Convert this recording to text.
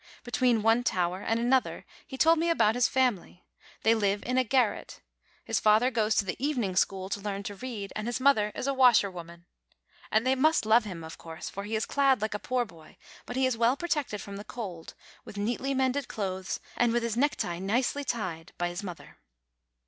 Between one tower and MURATORINO, THE LITTLE MASON 63 another he told me about his family: they live in a garret ; his father goes to the evening school to learn to read, and his mother is a washerwoman. And they must love him, of course, for he is clad like a poor boy, but he is well protected from the cold, with neatly mended clothes, and with his necktie nicely tied by his mother.